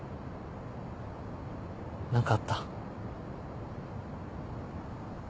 何かあった？